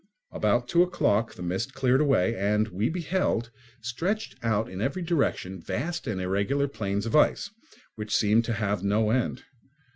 About two o'clock the mist cleared away, and we beheld, stretched out in every direction, vast and irregular plains of ice, which seemed to have no end.